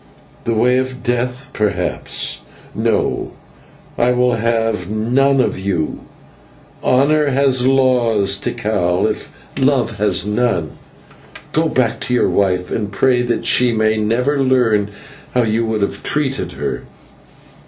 "The way of death, perhaps. No, I will have none of you. Honour has laws, Tikal, if love has none. Go back to your wife, and pray that she may never learn how you would have treated her."